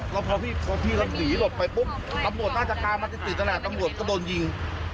แล้วก็ถี่หห่วงลดไปตำรวจก็เดินยิง